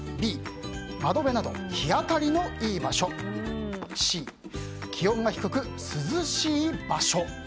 Ｂ、窓辺など日当たりのいい場所Ｃ、気温が低く涼しい場所。